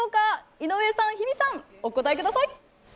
井上さん、日比さん、お答えください。